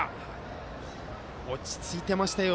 落ち着いていましたよ。